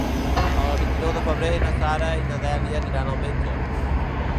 El vint-i-nou de febrer na Sara i na Dèlia aniran al metge.